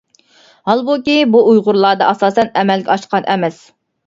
ھالبۇكى، بۇ ئۇيغۇرلاردا ئاساسەن ئەمەلگە ئاشقان ئەمەس.